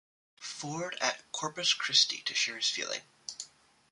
Ford at Corpus Christi to share his feeling.